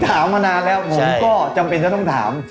ถามมานานแล้วผมก็จำเป็นจะต้องถาม